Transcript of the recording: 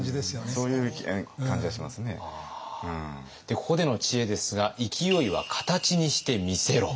ここでの知恵ですが「勢いは形にして見せろ！」。